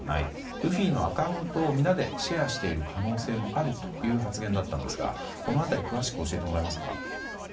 ルフィのアカウントをみんなでシェアしている可能性もあるという発言だったんですがこの辺り詳しく教えてもらえますか？